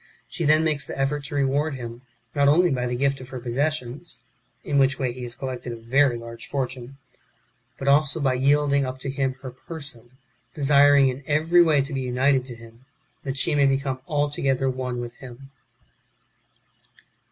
She then makes the effort to reward him, not only by the gift of her possessions (in which way he has collected a very large fortune), but also by yielding up to him her person, desiring in every way to be united to him, that she may become alto gether one with him.